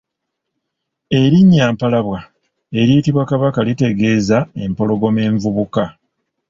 Erinnya Mpalabwa eriyitibwa Kabaka litegeeza "empologoma envubuka".